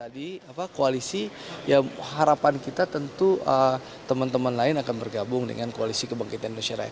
di koalisi ya harapan kita tentu teman teman lain akan bergabung dengan koalisi kebangkitan indonesia raya